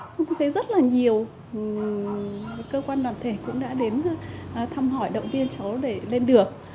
cũng thấy rất là nhiều cơ quan đoàn thể cũng đã đến thăm hỏi động viên cháu để lên được